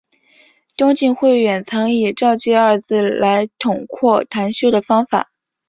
东晋慧远曾以照寂二字来统括禅修方法。